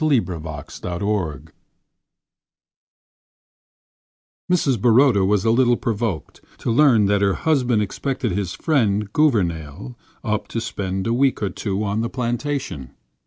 A RESPECTABLE WOMAN Mrs. Baroda was a little provoked to learn that her husband expected his friend, Gouvernail, up to spend a week or two on the plantation.